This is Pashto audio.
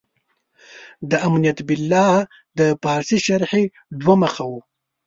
د امنت بالله د پارسي شرحې دوه مخه و.